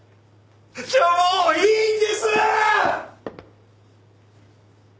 もういいんです！